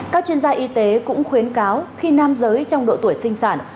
các chuyên gia y tế cũng khuyến cáo khi nam giới trong độ tuổi sinh sản